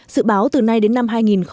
dự báo từ nay đến năm hai nghìn hai mươi